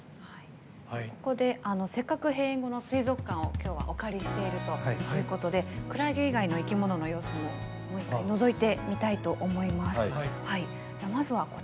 ここで、せっかく閉園後の水族館をお借りしているということでクラゲ以外の生き物の様子ものぞいてみたいと思います。